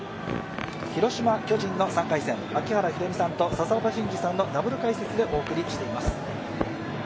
広島×巨人の３回戦、槙原寛己さんと佐々岡真司さんのダブル解説でお送りしています。